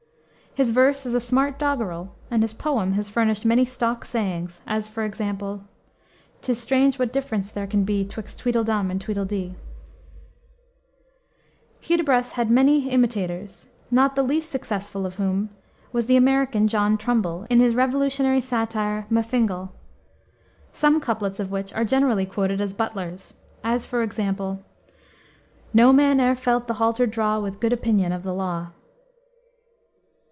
His verse is a smart doggerel, and his poem has furnished many stock sayings, as, for example, "'Tis strange what difference there can be 'Twixt tweedle dum and tweedle dee." Hudibras has had many imitators, not the least successful of whom was the American John Trumbull, in his revolutionary satire M'Fingal, some couplets of which are generally quoted as Butler's, as, for example, "No man e'er felt the halter draw With good opinion of the law."